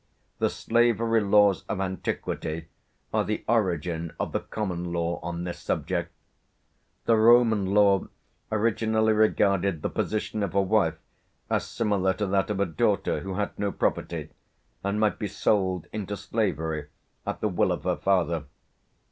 The slavery laws of antiquity are the origin of the common law on this subject. The Roman law originally regarded the position of a wife as similar to that of a daughter who had no property, and might be sold into slavery at the will of her father.